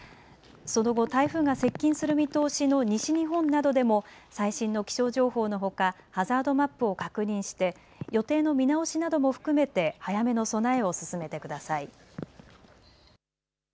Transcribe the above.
その後、台風が接近する見通しの西日本などでも最新の気象情報のほかハザードマップを確認して予定の見直しなども含めて早めの備えを進めてください。